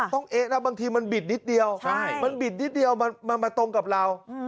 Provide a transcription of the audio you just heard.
เอ๊ะนะบางทีมันบิดนิดเดียวมันบิดนิดเดียวมันมาตรงกับเรา